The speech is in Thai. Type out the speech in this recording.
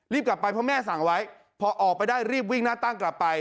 กลับไปเพราะแม่สั่งไว้พอออกไปได้รีบวิ่งหน้าตั้งกลับไป